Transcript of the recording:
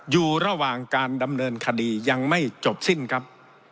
อยู่ระหว่างการดำเนินคดียังไม่จบสิ้นครับ